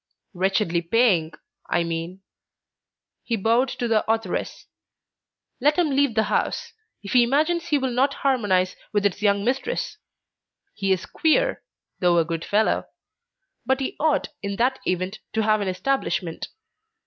wretchedly paying, I mean," he bowed to the authoress. "Let him leave the house, if he imagines he will not harmonize with its young mistress. He is queer, though a good fellow. But he ought, in that event, to have an establishment.